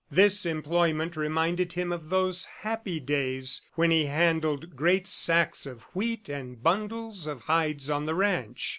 This employment reminded him of those happy days when he handled great sacks of wheat and bundles of hides on the ranch.